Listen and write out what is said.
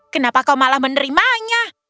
kenapa kau malah menerimanya